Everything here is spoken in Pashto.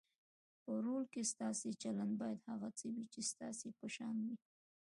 په رول کې ستاسو چلند باید هغه څه وي چې ستاسو په شان وي.